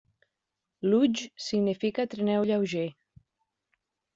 Luge significa trineu lleuger.